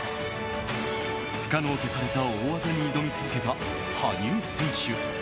不可能とされた大技に挑み続けた羽生選手。